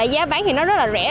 giá bán thì nó rất là rẻ